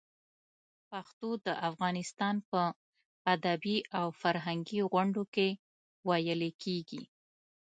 پښتو د افغانستان په ادبي او فرهنګي غونډو کې ویلې کېږي.